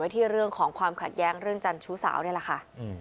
ที่เรื่องของความขัดแย้งเรื่องจันชู้สาวนี่แหละค่ะ